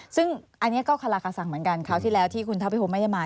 ซึ่งอันนี้ก็คาราคาสังเหมือนกันคราวที่แล้วที่คุณทัพวิพงศ์ไม่ได้มา